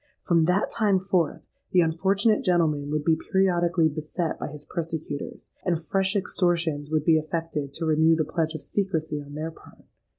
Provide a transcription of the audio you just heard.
From that time forth, the unfortunate gentleman would be periodically beset by his persecutors; and fresh extortions would be effected to renew the pledge of secrecy on their part.